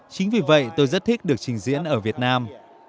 chính vì vậy tôi rất thích được trình diễn ở việt nam